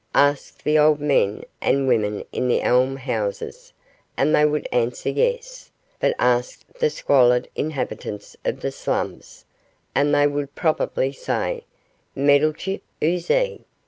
Ask the old men and women in the almshouses, and they would answer yes; but ask the squalid inhabitants of the slums, and they would probably say, 'Meddlechip, 'o's 'e?